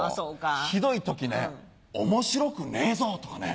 ひどい時ね面白くねえぞ！とかね。